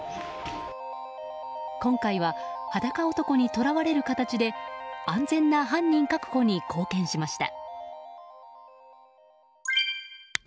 今回は、裸男に捕らわれる形で安全な犯人確保に貢献しました。